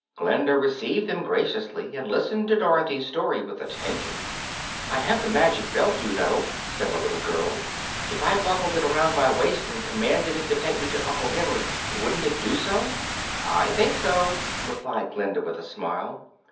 Glinda received them graciously, and listened to Dorothy's story with attention. "I have the magic belt, you know," said the little girl. "If I buckled it around my waist and commanded it to take me to Uncle Henry, wouldn't it do it?" "I think so," replied Glinda, with a smile.